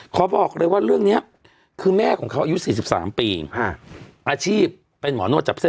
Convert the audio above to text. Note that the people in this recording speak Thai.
ขอบอกเลยว่าเรื่องเนี้ยคือแม่ของเขายุดสี่สิบสามปีฮะอาชีพเป็นหมอโน้ตจับเส้น